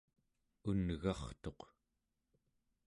un'ga'rtuq